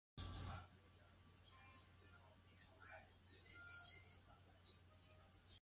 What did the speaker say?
Ik vind dat handvest een goede zaak.